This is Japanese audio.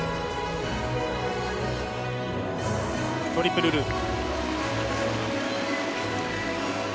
トリプルループ。